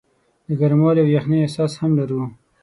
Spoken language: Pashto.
د ګرموالي او یخنۍ احساس هم لرو.